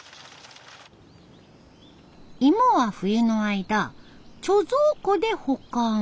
芋は冬の間貯蔵庫で保管。